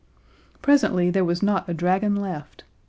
Presently there was not a dragon left.